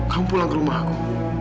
kamu pulang ke rumah aku